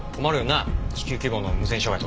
地球規模の無線障害とはな。